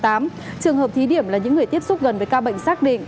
trường hợp thí điểm là những người tiếp xúc gần với ca bệnh xác định